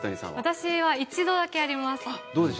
私は一度だけあります。